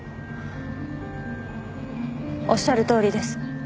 おっしゃるとおりです。